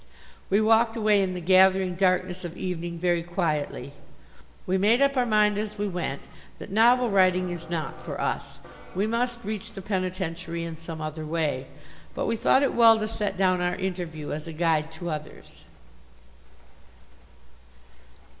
We walked away in the gathering darkness of evening very quietly. We made up our mind as we went that novel writing is not for us. We must reach the penitentiary in some other way. But we thought it well to set down our interview as a guide to others.